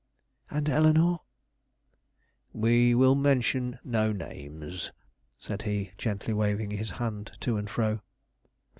"And Eleanore?" "We will mention no names," said he, gently waving his hand to and fro.